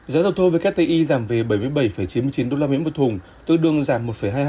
giá dầu thô vkti giảm về bảy mươi bảy chín mươi chín usd một thùng tương đương giảm một hai